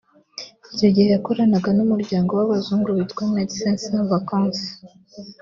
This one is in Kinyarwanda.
Icyo gihe yakoranaga n’umuryango w’Abazungu witwa Medecin sans Vacance